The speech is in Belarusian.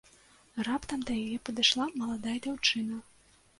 Раптам да яе падышла маладая дзяўчына.